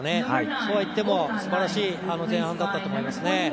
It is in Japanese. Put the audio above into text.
そうはいってもすばらしい前半だったと思いますね。